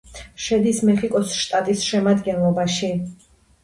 შედის მეხიკოს შტატის შემადგენლობაში.